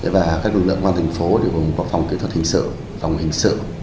và các lực lượng quân an thành phố đều gồm phòng kỹ thuật hình sự phòng hình sự